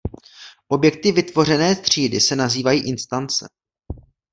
Objekty vytvořené třídy se nazývají instance.